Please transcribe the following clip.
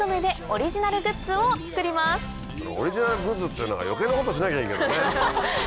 オリジナルグッズっていうのが余計なことしなきゃいいけどね。